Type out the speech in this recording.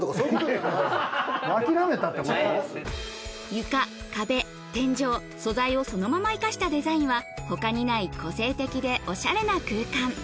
床、壁、天井、素材をそのままいかしたデザインは他にない個性的でおしゃれな空間。